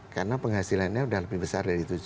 karena penghasilannya udah lebih besar dari tujuh juta